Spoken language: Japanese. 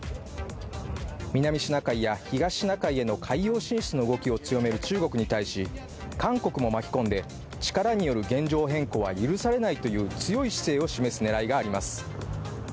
南シナ海や東シナ海への海洋進出の動きを強める中国に対し韓国も巻き込んで力による現状変更は許されないという強い姿勢を示す狙いがあります。